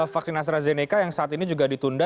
vaksin astrazeneca yang saat ini juga ditunda